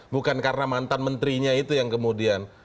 bukan karena mantan menterinya itu yang kemudian